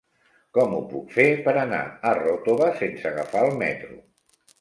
Com ho puc fer per anar a Ròtova sense agafar el metro?